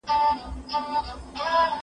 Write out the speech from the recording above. فتح خان د خپلو سرتیرو د ملاتړ هڅه وکړه.